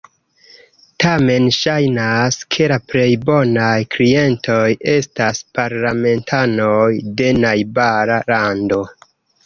Tamen ŝajnas, ke la plej bonaj klientoj estas parlamentanoj de najbara lando.